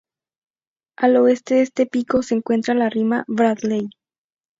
Al oeste de este pico se encuentra la rima Bradley.